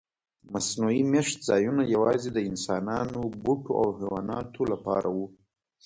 مصنوعي میشت ځایونه یواځې د انسانانو، بوټو او حیواناتو لپاره وو.